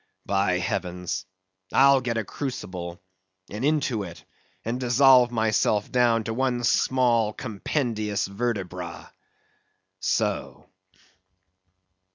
By heavens! I'll get a crucible, and into it, and dissolve myself down to one small, compendious vertebra. So.